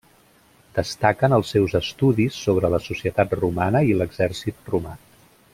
Destaquen els seus estudis sobre la societat romana i l'exèrcit romà.